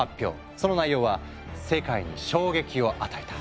その内容は世界に衝撃を与えた。